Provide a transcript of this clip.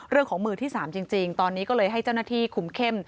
มือที่๓จริงตอนนี้ก็เลยให้เจ้าหน้าที่คุมเข้ม